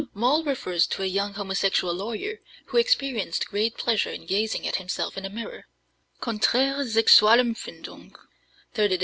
Moll refers to a young homosexual lawyer, who experienced great pleasure in gazing at himself in a mirror (Konträre Sexualempfindung, 3d ed.